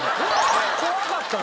怖かったもん。